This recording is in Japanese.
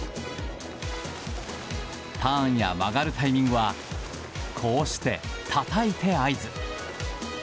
ターンや曲がるタイミングはこうして、たたいて合図。